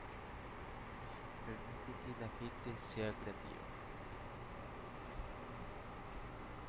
Permite que la gente sea creativa.